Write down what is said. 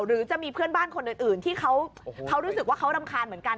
หรือจะมีเพื่อนบ้านคนอื่นที่เขารู้สึกว่าเขารำคาญเหมือนกัน